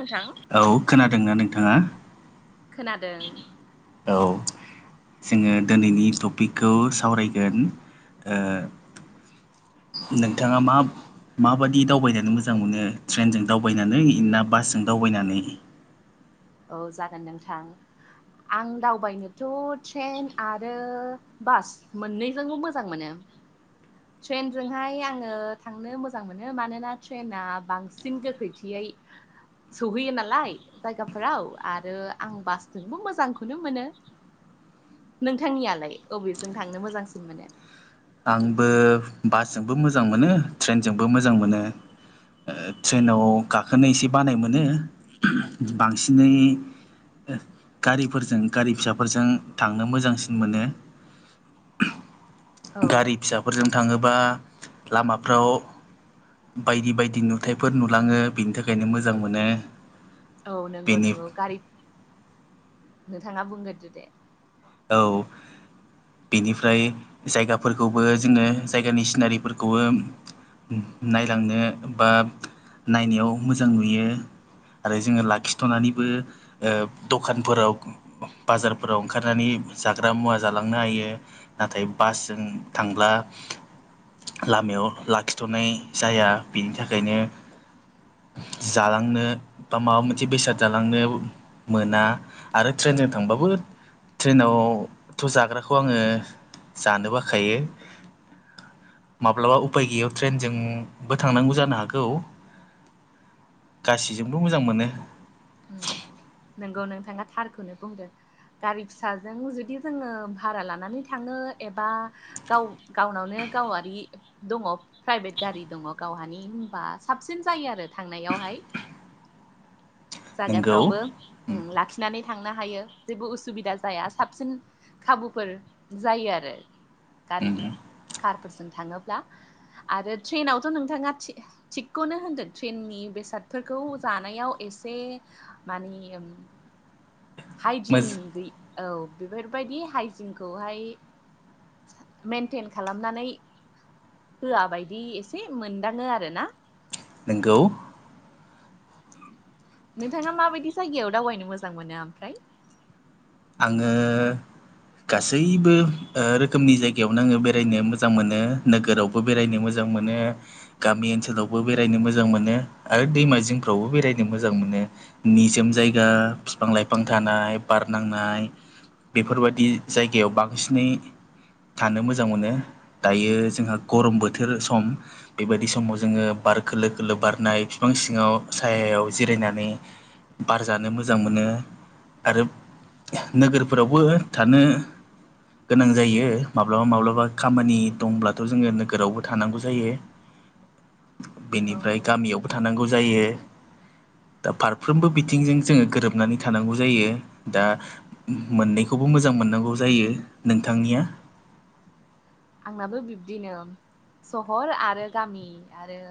नोंथां औ खोनादोंना नोंथाङा? खोनादों। औ। जोङो दिनैनि टपिकखौ सावरायगोन ओ नोंथाङा मा माबादि दावबायनानै मोजां मोनो ट्रेनजों दावबायनानै ना बासजों दावबायनानै औ जागोन नोंथां। आं दावबायनोथ' ट्रेन आरो बास मोननैजोंबो मोजां मोनो। ट्रेनजोंहाय आङो थांनो मोजां मोनो मानोना ट्रेना बांसिन गोख्रैथियै सौहैयो नालाय। जायगाफोराव आरो आं बासजोंबो मोजांखौनो मोनो। नोंथांनियालाय अबेजों थांनो मोजांसिन मोनो। आंबो बासजोंबो मोजां मोनो ट्रेनजोंबो मोजां मोनो। ओ ट्रेनाव गाखोनो एसे बानाय मोनो बांसिनै गारिफोरजों गारि फिसाफोरजों थांनो मोजांसिन मोनो। औ गारि फिसाफोरजों थाङोबा लामाफ्राव बायदि बायदि नुथाइफोर नुलाङो बेनि थाखायनो मोजां मोनो। औ नंगौ बेनि नंगौ गारि नोंथाङा बुंग्रोदो दे। औ। बेनिफ्राय जायगाफोरखौबो जोङो जायगानि सिनारिफोरखौबो नायलांनो बा नायनायाव मोजां नुयो। आरो जोङो लाखिथ'नानैबो ओ दखानफोराव बाजारफोराव ओंखार नानै जाग्रा मुवा जालांनो हायो नाथाय बासजों थांब्ला लामायाव लाखिथ'नाय जाया बेनि थाखायनो जालांनो बा माबा मोनसे बेसाद जालांनो मोना आरो ट्रेनजों थांबाबो ट्रेनावथ' जाग्राखौ आङो जानो बाखायो। माब्लाबा उफाय गैयियाव ट्रेनजोंबो थांनांगौ जानो हागौ। गासिजोंबो मोजां मोनो। उम नोंगौ नोंथाङा थारखौनो बुंदों। गारि फिसाजों जुदि जोङो भारा लानानै थाङो एबा गाव गावनावनो गावआरि दङ प्राइभेट गारि दङ गावहानि होमबा साबसिन जायो आरो थांनायावहाय। नोंगौ जायगाफ्रावबो उम लाखिनानै थांनो हायो जेबो उसुबिदा जाया साबसिन खाबुफोर जायो आरो गारि उम कारफोरजों थाङोब्ला। आरो ट्रेनावथ' नोंथाङा थि थिगखौनो होनदों ट्रेननि बेसादफोरखौ जानायाव एस से मानि उम। मोज हाइजिन गै औ बेफोरबायदि हाइजिनखौहाय मेनटेन खालामनानै होआ बायदि एसे मोनदाङो आरो ना। नोंगौ। नोंथाङा माबायदि जायगायाव दावबायनो मोजां मोनो ओमफ्राय। आङो गासैबो ओ रोखोमनि जायगायावनो आङो बेरायनो मोजां मोनो नोगोराव बो बेरायनो मोजां मोनो। गामि ओनसोलावबो बेरायनो मोजां मोनो आरो दैमा जिंफ्रावबो बेरायनो मोजां मोनो। निजोम जायगा फिफां लाइफां थानाय बार नांनाय बेफोरबायदि जायगायाव बांसिनै थानो मोजां मोनो दायो जोंहा गरम बोथोर सम बेबायदि समाव जोङो बार खोलो खोलो बारनाय बिफां सिङाव सायायाव जिरायनानै बार जानो मोजां मोनो आरो नोगोरफोरावबो थानो गोनां जायो माब्लाबा माब्लाबा खामानि दंब्लाथ' जोङो नोगोरावबो थानांगौ जायो। [inaudible] औ बेनिफ्राय नंगौ गामियावबो थानांगौ जायो दा फारफ्रोमबो बिथिंजों जोङो गोरोबनानै थानांगौ जायो। दा मोननैखौबो मोजां मोननांगौ जायो नोंथांनिया? आंनाबो बिब्दिनो सहर आरो गामि आरो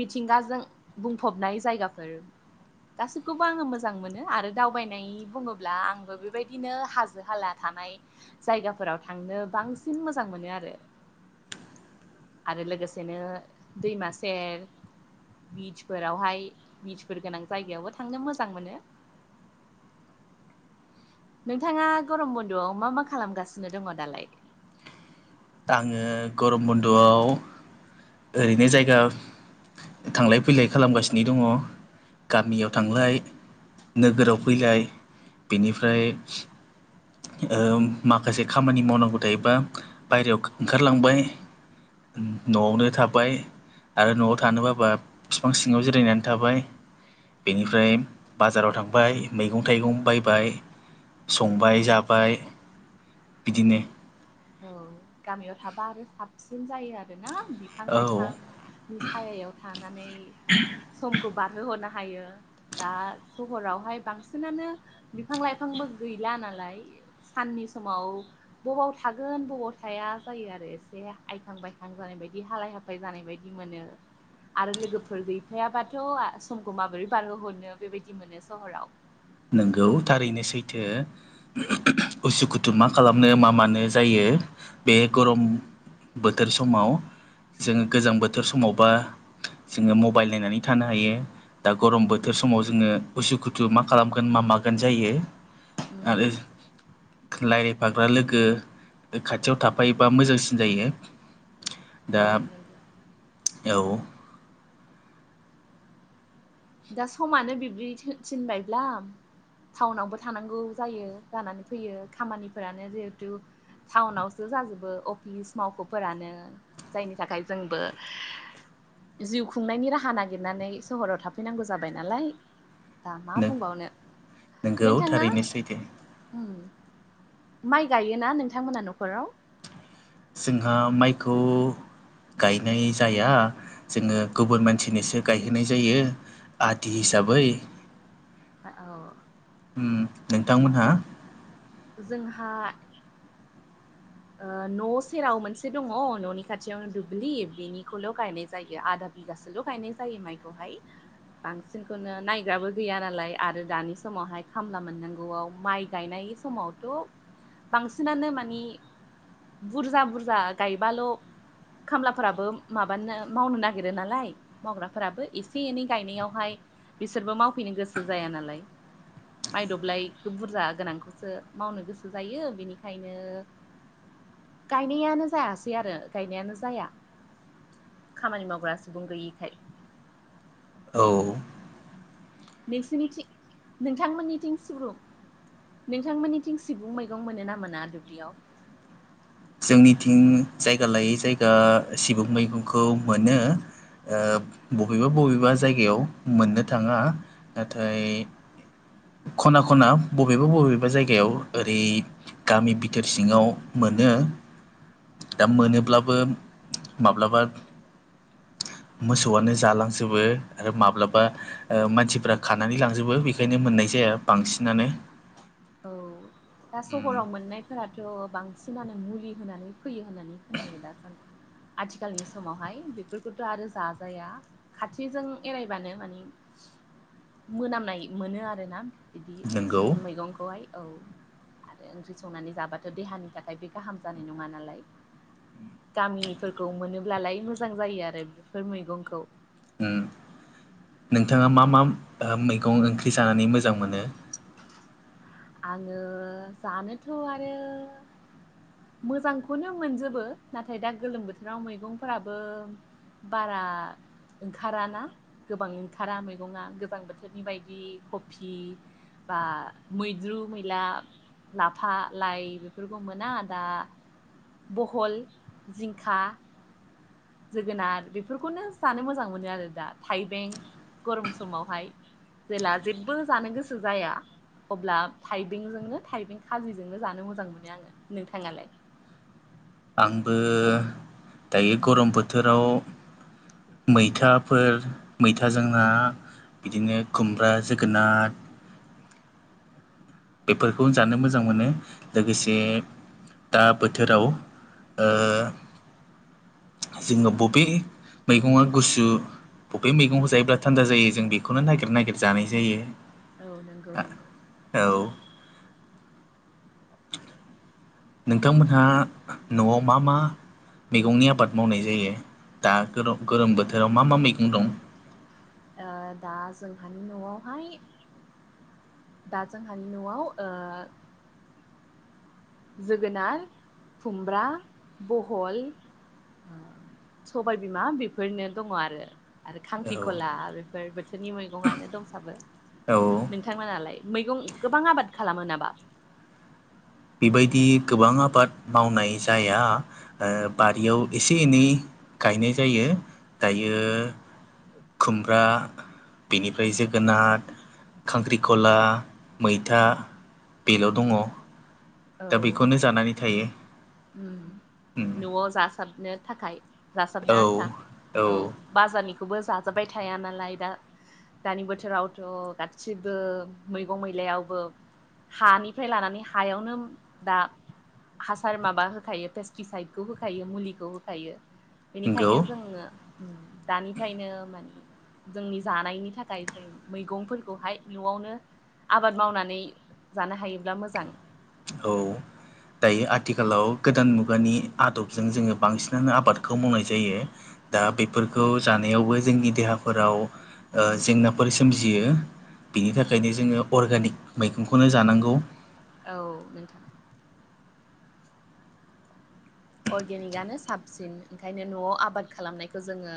मिथिंगाजों बुंफबनाय जायगाफोर। गासैखौबो आङो मोजां मोनो आरो दावबायनाय बुङोब्ला आंबो बेबायदिनो हाजो हाला थानाय जायगाफोराव थांनो बांसिन मोजां मोनो आरो। आरो लोगोसेनो दैमा सेर बिचफोरावहाय बिचफोर गोनां जायगायावबो थांनो मोजां मोनो नोंथाङा गरम बन्द'आव मा मा खालामगासिनो दङ दालाय आङो गरम बन्द'आव ओरैनो जायगा थांलाय फैलाय खालामगासिनो दङ गामियाव थांलाय नोगोराव फैलाय बिनिफ्राय ओम माखासे खामानि मावनांगौ थायोबा बायरायाव ओंखारलांबाय न'आवनो थाबाय आरो न'आव थानोबाबा बिफां सिङाव जिरायनानै थाबाय बेनिफ्राय बाजाराव थांबाय मैगं थाइगं बायबाय संबाय जाबाय बिदिनो औ गामियाव थाबा आरो साबसिन जायो आरोना बिफां औ लाइफां नि सायायाव थानानै समखौ बारहोहरनो हायो दा सहरावहाय बांसिनानो बिफां लाइफांबो गैला नालाय साननि समाव बबाव थागोन बबाव थाया जायो आरो एसे आइखां बायखां जानाय बायदि हालाय हाफाय जानाय बायदि मोनो आरो लोगोफोर गैफायाबाथ' समखौ माबोरै बारहोहरनो बेबायदि मोनो सहराव नोंगौ थारैनो सैथो। [unintelligible] उसु खुथु मा खालामनो मा मानो जायो बे गरम बोथोर समाव जों गोजां बोथोर समावबा जोङो मबाइल नायनानै थानो हायो दा गरम बोथोर समाव जोङो उसुखुथु मा खालामगोन मा मागोन जायो उम आरो रायलायबा बा लोगो खाथियाव थापायोबा मोजांसिन जायो दा औ नंगौ औ। दा समानो बिब्दि थिनबायब्ला टाउनावबो थानांगौ जायो जानानै फैयो खामानिफोरानो जिहेथु टाउनावसो जाजोबो अफिस मावख'फोरानो जायनि थाखाय जोंबो जिउ खुंनायनि राहा नागिरनानै सहराव था फैनांगौ जाबाय नालाय दा मा बुंबावनो नोंगौ नोंथाङा थारैनो सैथो उम। माइ गायोना नोंथांमोना न'खराव? जोंहा माइखौ गायनाय जाया जोङो गुबुन मानसिनिसो गायहोनाय जायो आदि हिसाबै औ ओ नोंथांमोनहा जोंहा ओ न' सेराव मोनसे दङ न'नि खाथियावनो दुब्लि बेनिखौल' गायनाय जायो आदा बिगासोल' गायनाय जायो माइखौहाय बांसिनखोनो नायग्राबो गैया नालाय आरो दानि समावहाय खामला मोननांगौआव माइ गायनाय समावथ' बांसिनानो मानि बुरजा बुरजा गायबाल' खामलाफोराबो माबानो मावनो नागिरो नालाय मावग्राफोराबो एसे एनै गायनायावहाय बिसोरबो मावफैनो गोसो जाया नालाय मायदब्लायखौ बुरजा गोनांखौसो मावनो गोसो जायो बेनिखायनो गायनायानो जायासै आरो गायनायानो जाया खामानि मावग्रा सुबुं गैयिखाय। औ। नोंसिरनिथिं नोंथांमोननिथिं सिब्रु नोंथांमोननिथिं सिगुं मैगं मोनो ना मोना दुब्लियाव जोंनिथिं जायगा लायै जायगा सिबुं मैगंखौ मोनो ओ बबेबा बबेबा जायगायाव मोननो थाङा नाथाय खना खना बबेबा बबेबा जायगायाव ओरै गामि बिथोर सिङाव मोनो दा मोनोब्लाबो माब्लाबा मोसौआनो जालांजोबो आरो माब्लाबा ओ मानसिफ्रा खानानै लांजोबो बेखायनो मोननाय जाया बांसिनानो औ दा उम सहराव मोननायफोराथ' बांसिनानो मुलि होनानै फैयो होननानै खोनायो दासान आथिखालनि समावहाय बेफोरखौथ' आरो जाजाया खाथिजों एरायबानो मानि मोनामनाय मोनो आरो ना बिदि नोंगौ सिबुं मैगं खौहाय औ आरो ओंख्रि संनानै जाबाथ' देहानि थाखाय बे गाहाम जानाय नङा नालाय गामिनिफोरखौ मोनोब्लालाय मोजां जायो आरो बेफोर मैगंखौ ओम नोंथाङा मा मा मैगं ओंख्रि जानानै मोजां मोनो आङो जानोथ' आरो मोजांखौनो मोनजोबो नाथाय दा गोलोम बोथोराव मैगंफोराबो बारा ओंखाराना गोबां ओंखारा मैगंआ गोबां बोथोरनि बायदि कफि बा मैद्रु मैला लाफा लाइ बेफोरखौ मोना दा बहल जिंखा जोगोनार बेफोरखौनो जानो मोजां मोनो आरो दा थाइबें गरम समावहाय जेला जेबो जानो गोसो जाया अब्ला थाइबेंजोंनो थाइबें खाजिजोंनो जानो मोजां मोनो आङो नोंथाङालाय आंबो दायो गरम बोथोराव मैथाफोर मैथा जोंना बिदिनो खुमब्रा जोगोनार बेफोरखौ जानो मोजां मोनो लोगोसे दा बोथोराव जोङो बबे मैगङा गुसु बबे मैगंखौ उम जायोब्ला थान्दा जायो जों बेखौनो नागिर नागिर जानाय जायो औ नंगौ नंगौ औ नोंथांमोनहा न'आव मा मा मैगंनि आबाद मावनाय जायो दा गोलो गोलोम बोथोराव मा मा मैगं दं? ओ दा जोंहानि न'आवहाय दा जोंहानि न'आव ओ जोगोनार खुमब्रा बहल ओ सबायबिमा बेफोरनो दङ आरो। आरो औ खांख्रिखला बेफोर बोथोरनि मैगंनो दंसाबो। औ। नोंथांमोनालाय मैगं गोबां आबाद खालामो नामा? बेबायदि गोबां आबाद मावनाय जाया ओ बारियाव एसे एनै गायनाय जायो दायो खुमब्रा बेनिफ्राय जोगोनाद खांख्रिखला मैथा बेल' दङ। दा बेखौनो जानानै थायो। ओम उम न'आव जासाबनो थाखाय जासाबनो औ आन्था औ। बाजारनिखौबो जाजाबबाय थाया नालाय दा। दानि बोथोरावथ' गासिबो मैगं मैलायावबो हानिफ्राय लानानै हायावनो दा सार माबा होखायो पेस्टिसाइदखौ होखायो मुलिखौ होखायो। नंगौ बेनिखायनो जोङो ओम दानिफ्रायनो माने जोंनि जानायनि थाखाय जों मैगंफोरखौहाय न'आवनो आबाद मावनानै जानो हायोब्ला मोजां। औ। दायो आथिखालाव गोदान मुगानि आदबजों जोङो बांसिनानो आबादखौ मावनाय जायो। दा बेफोरखौ जानायावबो जोंनि देहाफोराव ओ जेंनाफोर सोमजियो। बिनि थाखायनो जोङो अरगानिक मैगंखौनो जानांगौ। औ नोंथां। अर्गेनिकआनो साबसिन ओंखायनो न'आव आबाद खालामनायखौ जोङो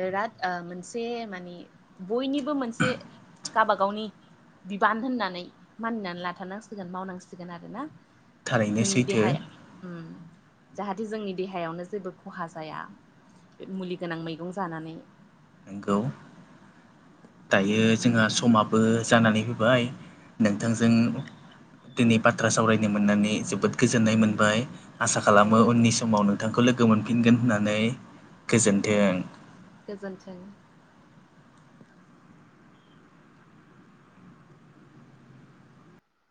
बिराद ओ मोनसे माने बयनिबो मोनसे गाबागावनि बिबान होननानै मानिनानै लाथारनांसिगोन मावनांसिगोन आरो ना। थारैनो जोंनि सैथो देहाया ओम। जाहाथे जोंनि देहायावनो जेबो खहा जाया बे मुलि गोनां मैगं जानानै। नोंगौ। दायो जोंहा समाबो जानानै फैाबाय, नोंथांजों दिनै बाथ्रा सावरायनो मोननानै जोबोद गोजोननाय मोनबाय। आसा औ खालामो उननि समाव नोंथांखौ लोगो मोनफिनगोन होननानै गोजोनथों। गोजोन्थों।